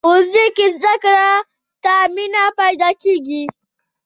ښوونځی کې زده کړې ته مینه پیدا کېږي